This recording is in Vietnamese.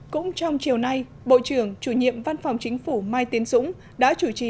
cũng trong chiều nay bộ trưởng chủ nhiệm văn phòng chính phủ mai tiến dũng đã chủ trì